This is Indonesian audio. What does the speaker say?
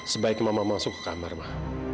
sebaiknya mama masuk ke kamar ma